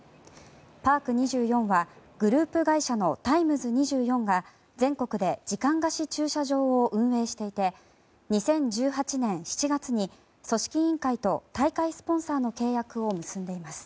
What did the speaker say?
パーク２４はグループ会社のタイムズ２４が全国で時間貸し駐車場を運営していて２０１８年７月に組織委員会と大会スポンサーの契約を結んでいます。